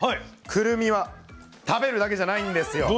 くるみは食べるだけじゃないんですよ。